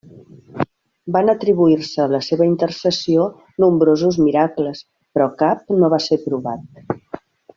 Van atribuir-se a la seva intercessió nombrosos miracles, però cap no va ésser provat.